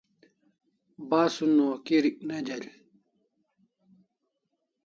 Basun o kirik ne del